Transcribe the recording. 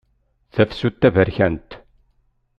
Tafsut taberkant.